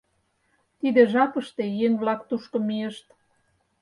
Тиде жапыште еҥ-влак тушко мийышт.